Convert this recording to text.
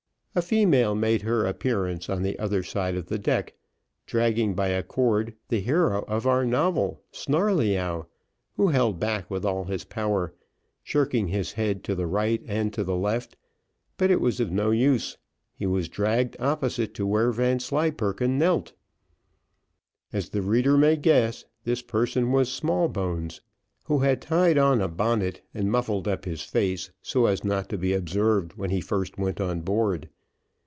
A female made her appearance on the other side of the deck, dragging, by a cord, the hero of our novel, Snarleyyow, who held back with all his power, jerking his head to the right and to the left, but it was of no use, he was dragged opposite to where Vanslyperken knelt. As the reader may guess, this person was Smallbones, who had tied on a bonnet, and muffled up his face, so as not to be observed when he first went on board.